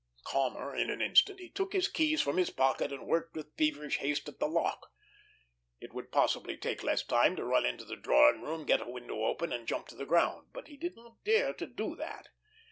Calmer in an instant, he took his keys from his pocket and worked with feverish haste at the lock. It would possibly take less time to run into the drawing room, get a window open, and jump to the ground, but he did not dare do that.